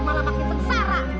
malah makin sengsara